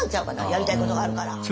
やりたいことがあるから。